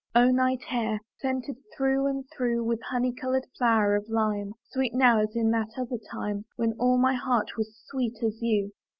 O night air, scented through and through With honey coloured flower of lime, Sweet now as in that other time When all my heart was sweet as you!